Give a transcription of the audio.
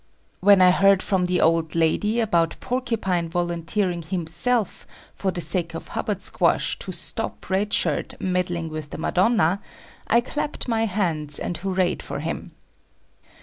When I heard from the old lady about Porcupine volunteering himself for the sake of Hubbard Squash to stop Red Shirt meddling with the Madonna, I clapped my hands and hoorayed for him.